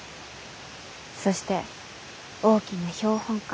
そして大きな標本館。